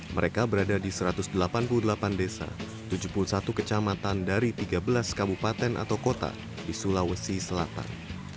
mereka berada di satu ratus delapan puluh delapan desa tujuh puluh satu kecamatan dari tiga belas kabupaten atau kota di sulawesi selatan